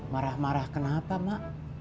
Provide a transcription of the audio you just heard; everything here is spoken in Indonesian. marah marah kenapa ma